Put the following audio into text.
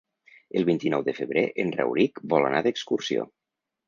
El vint-i-nou de febrer en Rauric vol anar d'excursió.